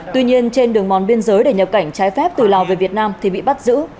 tuy nhiên trên đường mòn biên giới để nhập cảnh trái phép từ lào về việt nam thì bị bắt giữ